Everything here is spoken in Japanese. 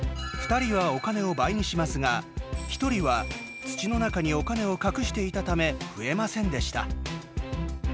２人はお金を倍にしますが１人は土の中にお金を隠していたため増えませんでした。